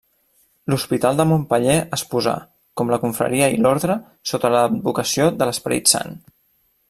L'hospital de Montpeller es posà, com la confraria i l'orde, sota l'advocació de l'Esperit Sant.